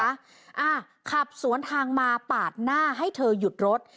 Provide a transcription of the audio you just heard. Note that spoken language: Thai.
อ่าขับสวนทางมาปาดหน้าให้เธอหยุดรถ